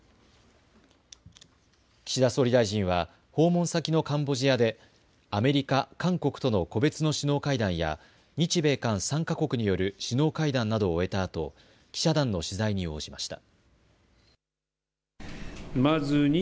岸田総理大臣は訪問先のカンボジアでアメリカ、韓国との個別の首脳会談や日米韓３か国による首脳会談などを終えたあと記者団の取材に応じました。